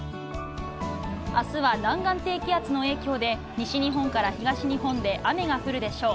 あすは南岸低気圧の影響で、西日本から東日本で雨が降るでしょう。